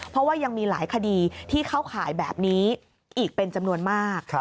เพราะว่ายังมีหลายคดีที่เข้าข่ายแบบนี้อีกเป็นจำนวนมาก